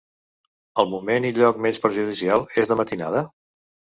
El moment i lloc menys perjudicial és de matinada?